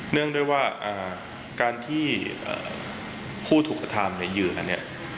ด้วยว่าการที่ผู้ถูกกระทำเหยื่อเนี่ย